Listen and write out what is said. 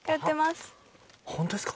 はいホントですか？